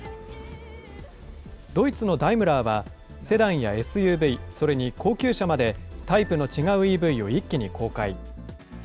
ドイツのダイムラーは、セダンやＳＵＶ、それに高級車まで、タイプの違うＥＶを一気に公開。